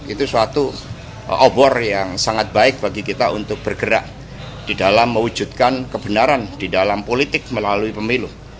itu suatu obor yang sangat baik bagi kita untuk bergerak di dalam mewujudkan kebenaran di dalam politik melalui pemilu